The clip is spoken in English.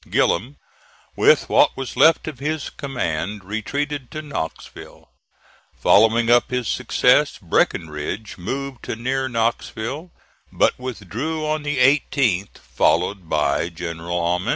Gillem, with what was left of his command, retreated to Knoxville. Following up his success, Breckinridge moved to near Knoxville, but withdrew on the 18th, followed by General Ammen.